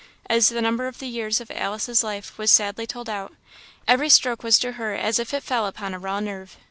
As the number of the years of Alice's life was sadly tolled out, every stroke was to her as if it fell upon a raw nerve.